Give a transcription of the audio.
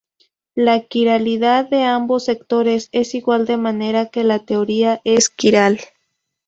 La quiralidad de ambos sectores es igual, de manera que la teoría es quiral.